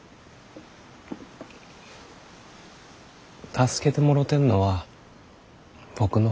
助けてもろてんのは僕の方やで。